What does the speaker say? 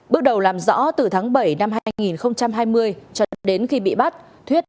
bước đầu làm rõ từ tháng bảy năm hai nghìn hai mươi cho đến khi bị bắt thuyết